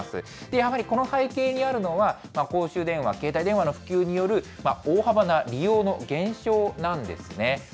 やはりこの背景にあるのは、公衆電話、携帯電話の普及による大幅な利用の減少なんですね。